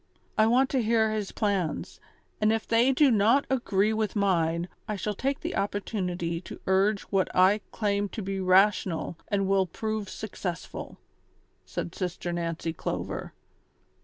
I want to hear his plans, and if they do not agree with mine, I shall take the opportunity to urge what I claim to be rational and will prove successful," said Sister Nancy Clover.